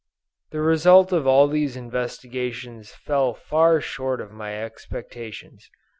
The result of all these investigations fell far short of my expectations.